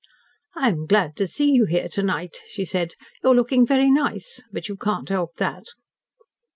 "I am glad to see you here to night," she said. "You are looking very nice. But you cannot help that."